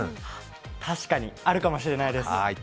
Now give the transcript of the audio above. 確かにあるかもしれないです。